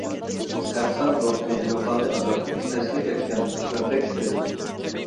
سەرسان روھتىن يوقالدى ئازاب، پەسلى كەتكەن قۇشلاردەك تېزىپ.